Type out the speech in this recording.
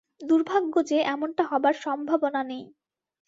দুর্ভাগ্য যে এরকমটা হবার সম্ভাবনা নেই।